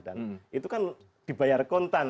dan itu kan dibayar kontan